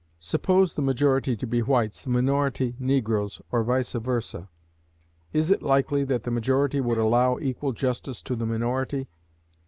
Suppose the majority to be whites, the minority negroes, or vice versâ: is it likely that the majority would allow equal justice to the minority?